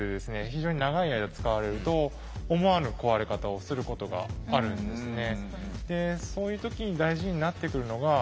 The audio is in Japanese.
非常に長い間使われると思わぬ壊れ方をすることがあるんですね。